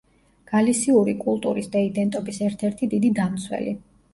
გალისიური კულტურის და იდენტობის ერთ-ერთი დიდი დამცველი.